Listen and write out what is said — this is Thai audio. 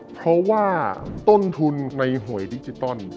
เพราะว่าต้นทุนในหวยดิจิตอล